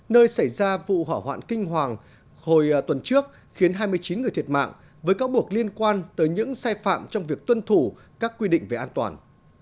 nơi xảy ra vụ hỏa hoạn kinh hoàng hồi tuần trước khiến hai mươi chín người thiệt mạng với các buộc liên quan tới những sai phạm trong việc tuân thủ các quy định về an toàn